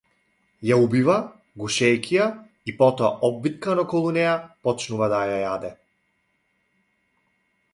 Ја убива, гушејќи ја, и потоа обвиткан околу неа почнува да ја јаде.